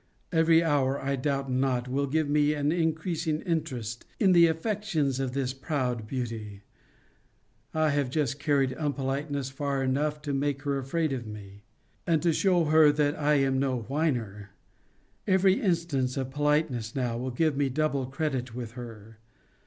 Every hour, I doubt not, will give me an increasing interest in the affections of this proud beauty. I have just carried unpoliteness far enough to make her afraid of me; and to shew her, that I am no whiner. Every instance of politeness, now, will give me double credit with her.